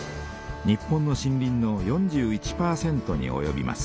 日本の森林の４１％におよびます。